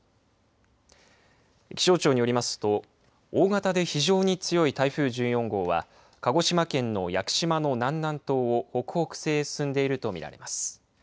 気象庁によりますと大型で非常に強い台風１４号は鹿児島県の屋久島の南南東を北北西に進んでいると見られます。